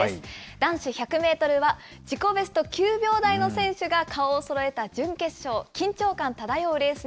男子１００メートルは、自己ベスト９秒台の選手が顔をそろえた準決勝、緊張感漂うレース